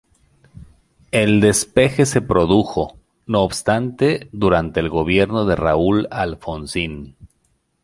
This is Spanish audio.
El despegue se produjo, no obstante, durante el gobierno de Raúl Alfonsín.